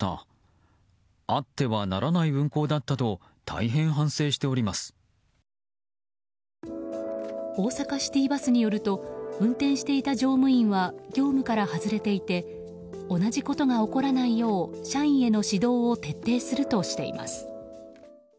大阪シティバスによると運転していた乗務員は業務から外れていて同じことが起こらないよう社員への指導を徹底するとしています。